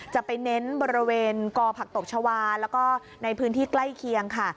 จะไปเน้นบริเวณกอผักตบชาวาแล้วก็ในพื้นที่ใกล้เคียงค่ะ